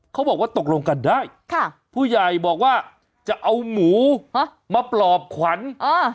เขาบอกว่าตกลงกันได้ค่ะผู้ใหญ่บอกว่าจะเอาหมูฮะมาปลอบขวัญอ่า